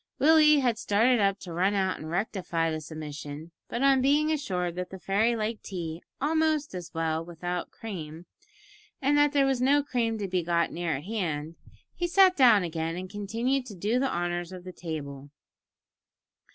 Willie had started up to run out and rectify this omission, but on being assured that the fairy liked tea almost as well without as with cream, and that there was no cream to be got near at hand, he sat down again and continued to do the honours of the table.